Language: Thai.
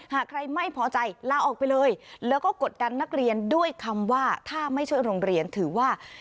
หากใครไม่พอใจลาออกไปเลยแล้วก็กดดันนักเรียนด้วยคำว่าถ้าไม่ช่วยโรงเรียนถือว่า